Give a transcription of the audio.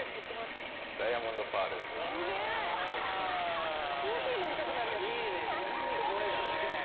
いいねいい声だね。